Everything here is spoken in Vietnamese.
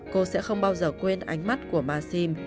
cô sẽ không bao giờ quên ánh mắt của maxim